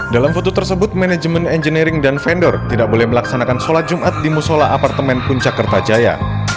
dalam foto tersebut manajemen engineering dan vendor tidak boleh melaksanakan sholat jumat di musola apartemen puncak kertajaya